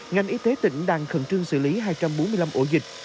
ngành y tế tỉnh đang khẩn trương xử lý hai trăm bốn mươi năm ổ dịch